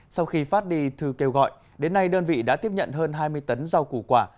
sau khi phát đi thư kêu gọi đến nay đơn vị đã tiếp nhận hơn hai mươi tấn rau củ quả